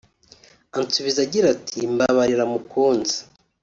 ansubiza agira ati “Mbabarira mukunzi